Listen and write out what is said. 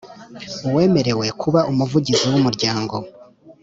Uwemerwe kuba Umuvugizi w Umuryango